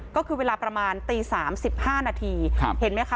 ก็คือเวลาประมาณตีสามสิบห้านาทีครับเห็นไหมคะ